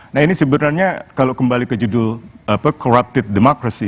nah ini sebenarnya kalau kembali ke judul corrupted democracy